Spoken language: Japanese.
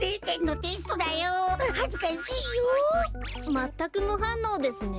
まったくむはんのうですね。